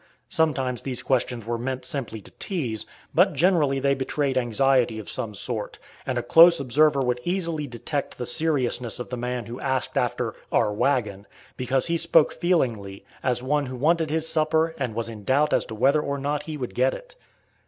Sometimes these questions were meant simply to tease, but generally they betrayed anxiety of some sort, and a close observer would easily detect the seriousness of the man who asked after "our wagon," because he spoke feelingly, as one who wanted his supper and was in doubt as to whether or not he would get it.